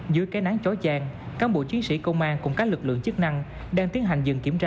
dưới cái nắng chói chan cán bộ chiến sĩ công an cùng các lực lượng chức năng đang tiến hành dừng kiểm tra